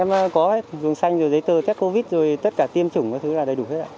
em có vùng xanh giấy tờ các covid tất cả tiêm chủng là đầy đủ hết